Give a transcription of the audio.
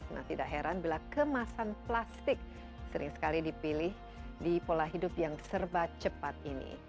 nah tidak heran bila kemasan plastik sering sekali dipilih di pola hidup yang serba cepat ini